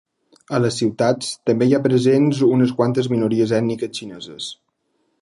A les ciutats, també hi ha presents unes quantes minories ètniques xineses.